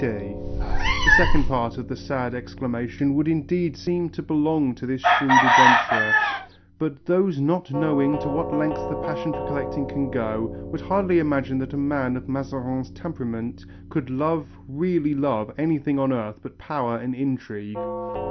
_" The second part of the sad exclamation would indeed seem to belong to this shrewd adventurer, but those not knowing to what lengths the passion for collecting can go, would hardly imagine that a man of Mazarin's temperament could love, really love, anything on earth but power and intrigue.